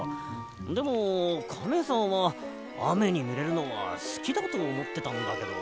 でもカメさんはあめにぬれるのはすきだとおもってたんだけど。